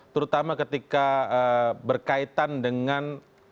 terutama ketika berkaitan dengan